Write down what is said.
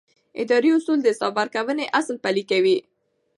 اداري اصول د حساب ورکونې اصل پلي کوي.